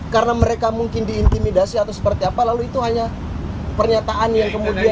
karena mereka mungkin diintimidasi atau seperti apa lalu itu hanya pernyataan yang kemudian